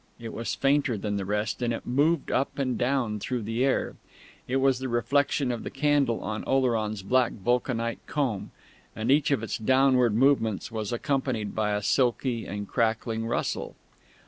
It was fainter than the rest, and it moved up and down through the air. It was the reflection of the candle on Oleron's black vulcanite comb, and each of its downward movements was accompanied by a silky and crackling rustle.